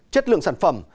chất lượng sản phẩm